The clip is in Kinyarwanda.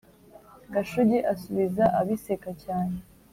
Gashugi asubiza abiseka cyane